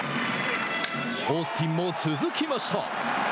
オースティンも続きました。